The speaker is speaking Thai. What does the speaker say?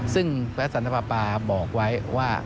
ซึ่งพระสันทปาบอกไว้ว่า